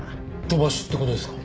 飛ばしって事ですか？